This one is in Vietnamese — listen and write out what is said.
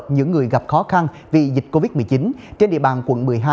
những người gặp khó khăn vì dịch covid một mươi chín trên địa bàn quận một mươi hai